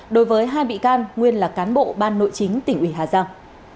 đối với hai bị can nguyên là cán bộ ban nội chính tỉnh ủy hà giang